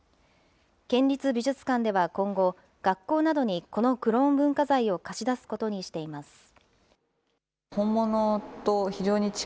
県立美術館では今後、学校などにこのクローン文化財を貸し出すことにしています。